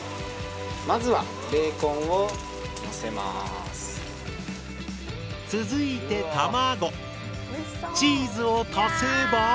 まずは続いて卵チーズを足せば。